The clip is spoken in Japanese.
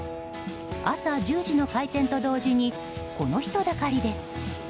朝１０時の開店と同時にこの人だかりです。